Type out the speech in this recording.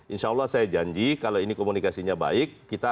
insya allah saya janji kalau ini komunikasinya baik